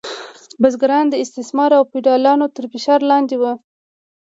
بزګران د استثمار او فیوډالانو تر فشار لاندې وو.